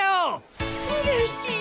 うれしい！